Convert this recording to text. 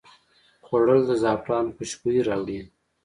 خوړل د زعفران خوشبويي راوړي